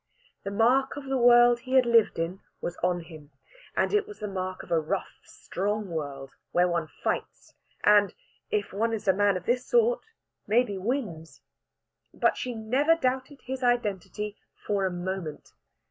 The mark of the world he had lived in was on him; and it was the mark of a rough, strong world where one fights, and, if one is a man of this sort, maybe wins. But she never doubted his identity for a moment.